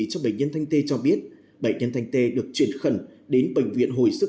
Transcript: cho bệnh nhân thanh tê cho biết bệnh nhân thanh tê được chuyển khẩn đến bệnh viện hồi sức